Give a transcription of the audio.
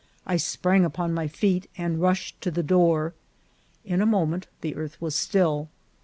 I sprang upon my feet and rushed to the door. In a moment the earth was still.